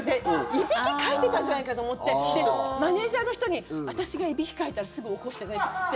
いびきかいてたんじゃないかと思って、マネジャーの人に私がいびきかいたらすぐ起こしてねって。